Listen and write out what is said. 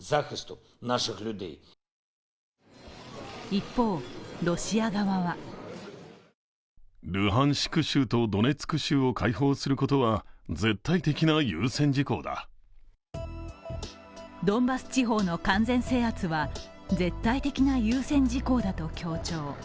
一方、ロシア側はドンバス地方の完全制圧は絶対的な優先事項だと強調。